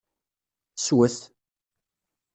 Swet!